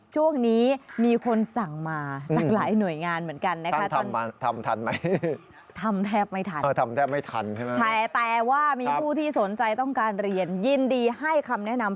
ช่วงนี้มีคนสั่งมาหลายหน่วยงานเหมือนกันนะคะทำแทบไม่ทันแต่ว่ามีผู้ที่สนใจต้องการเรียนยินดีให้คำแนะนำ